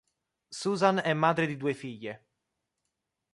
Susan è madre di due figlie.